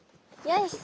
よし。